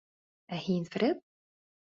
— Ә һин, Фред?